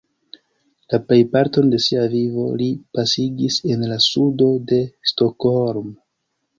La plejparton de sia vivo li pasigis en la sudo de Stockholm.